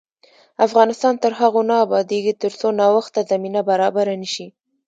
افغانستان تر هغو نه ابادیږي، ترڅو نوښت ته زمینه برابره نشي.